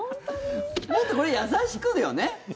もっと、これ優しくだよね。